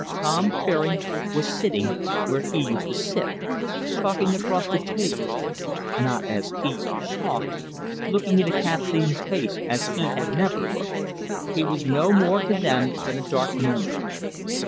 Tom Fairing was sitting where he used to sit, talking across the table not as he used to talk looking into Kathleen's face as he had never looked. He was no more to them than a dark memory.